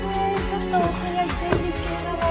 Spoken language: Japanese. ちょっとお伺いしたいんですけれども。